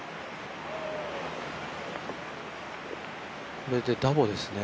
これでダボですね。